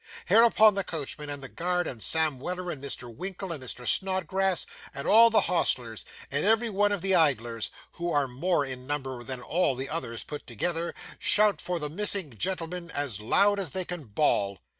Hereupon the coachman, and the guard, and Sam Weller, and Mr. Winkle, and Mr. Snodgrass, and all the hostlers, and every one of the idlers, who are more in number than all the others put together, shout for the missing gentlemen as loud as they can bawl.